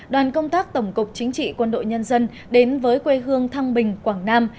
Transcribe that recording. đoàn công tác tổng cục chính trị quân đội nhân dân đến với quê hương thăng bình quảng nam